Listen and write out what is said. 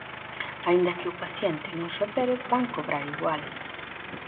Aínda que o paciente non se opere, van cobrar igual.